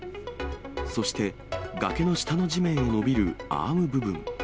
そして、崖の下の地面へ伸びるアーム部分。